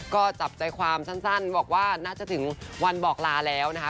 ก็จับใจความสั้นบอกว่าน่าจะถึงวันบอกลาแล้วนะคะ